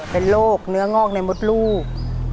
เป็นโรคเนื้องอกในมดลูก